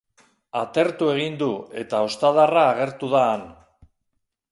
Atertu egin du, eta ostadarra agertu da han.